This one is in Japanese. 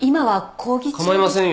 構いませんよ。